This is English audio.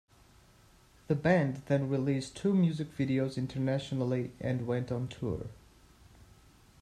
The band then released two music videos internationally and went on tour.